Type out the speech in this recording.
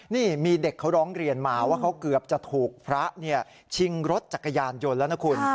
นี่มีเด็กเขาร้องเรียนมาว่าเขาเกือบจะถูกพระชิงรถจักรยานยนต์แล้วนะคุณ